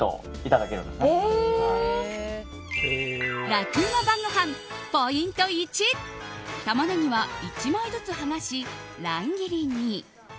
楽ウマ晩ごはんポイント１タマネギは１枚ずつ剥がし乱切りに。